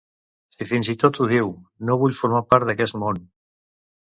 Si fins i tot ho diu: no vull formar part d’aquest món!